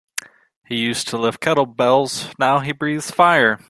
He used to lift kettlebells now he breathes fire.